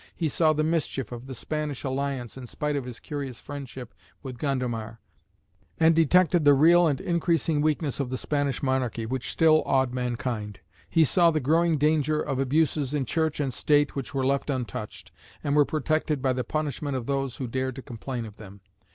He saw the mischief of the Spanish alliance in spite of his curious friendship with Gondomar, and detected the real and increasing weakness of the Spanish monarchy, which still awed mankind. He saw the growing danger of abuses in Church and State which were left untouched, and were protected by the punishment of those who dared to complain of them.